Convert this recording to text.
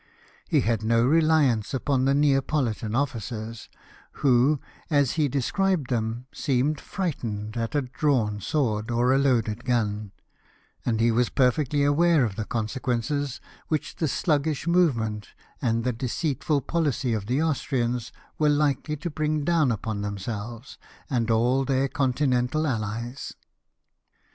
He had no reliance upon the Neapolitan officers, who, as he described them, seemed frightened at a drawn sword or a loaded gun ; and he was perfectly aware of the consequences which the sluggish movements THE IMMEDIATE NECESSITY OF WAR. 171 and deceitful policy of the Austrians were likely to bring down upon themselves and all their Con tinental allies.